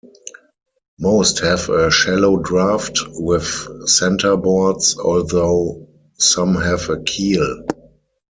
Most have a shallow draft, with centreboards, although some have a keel.